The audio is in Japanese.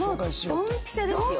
もうドンピシャですよ。